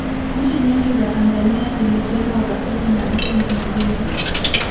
nchi nyingi za tanzania ilijenga urafiki na nchi nyingine